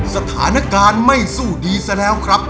สถานการณ์ไม่สู้ดีซะแล้วครับ